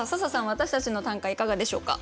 私たちの短歌いかがでしょうか？